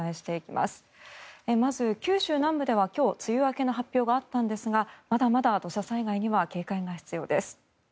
まず、九州南部では今日梅雨明けの発表があったんですがまだまだ土砂災害には警戒が必要です。